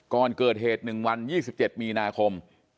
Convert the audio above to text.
ก่อนเกิดเหตุ๑วัน๒๗มีนาคม